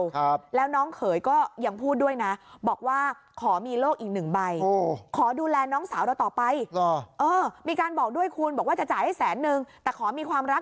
จ่ายให้แสนนึงแต่ขอมีความรัก